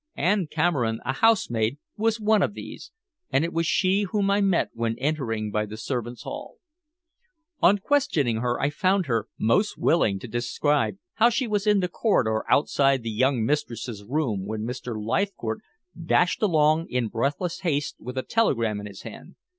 Ann Cameron, a housemaid, was one of these, and it was she whom I met when entering by the servants' hall. On questioning her, I found her most willing to describe how she was in the corridor outside the young mistress's room when Mr. Leithcourt dashed along in breathless haste with the telegram in his hand.